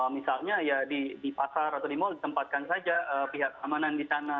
misalnya ya di pasar atau di mal ditempatkan saja pihak keamanan di sana